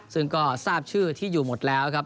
ซึ่งก็ทราบชื่อที่อยู่หมดแล้วครับ